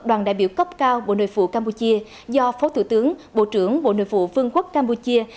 đoàn đại biểu cấp cao bộ nội vụ campuchia do phó thủ tướng bộ trưởng bộ nội vụ vương quốc campuchia